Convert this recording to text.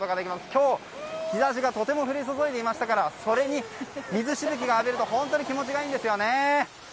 今日、日差しがとても降り注いでいましたからそれに水しぶき浴びると本当に気持ちがいいんですよね。